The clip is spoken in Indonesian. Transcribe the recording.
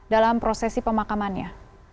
dalam prosesi pemakamannya